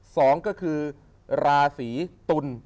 สองก็คือราศีตุล